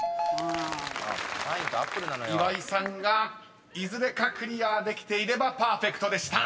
［岩井さんがいずれかクリアできていればパーフェクトでした］